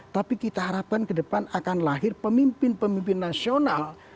tapi kita harapkan ke depan akan lahir pemimpin pemimpin nasional